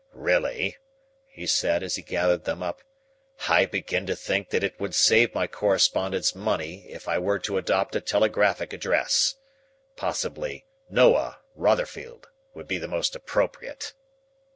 "Really," he said as he gathered them up, "I begin to think that it would save my correspondents' money if I were to adopt a telegraphic address. Possibly 'Noah, Rotherfield,' would be the most appropriate."